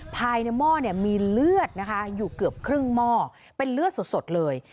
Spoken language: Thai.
หม้อมีเลือดนะคะอยู่เกือบครึ่งหม้อเป็นเลือดสดเลย